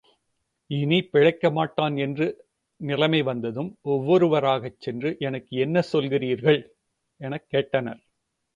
இனி பிழைக்கமாட்டான் என்று நிலைமை வந்ததும், ஒவ்வொருவராகச் சென்று எனக்கு என்ன சொல்கிறீர்கள்? எனக் கேட்கின்றனர்.